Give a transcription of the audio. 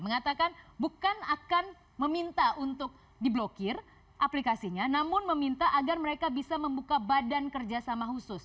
mengatakan bukan akan meminta untuk diblokir aplikasinya namun meminta agar mereka bisa membuka badan kerjasama khusus